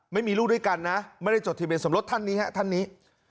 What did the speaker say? ไม่มีลูกด้วยกันนะไม่ได้จดทะเบียนสมรสท่านนี้ฮะท่านนี้